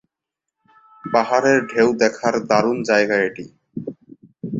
পাহাড়ের ঢেউ দেখার দারুণ জায়গা এটি।